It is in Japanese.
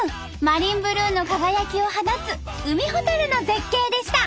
マリンブルーの輝きを放つウミホタルの絶景でした！